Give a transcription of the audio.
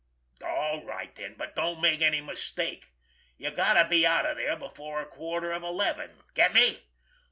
All right then, but don't make any mistake. You got to be out of there before a quarter of eleven! Get me?